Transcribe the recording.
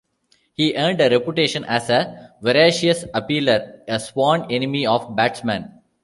He earned a reputation as a voracious appealer, a sworn enemy of batsmen.